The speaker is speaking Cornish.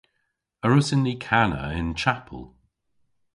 A wrussyn ni kana y'n chapel?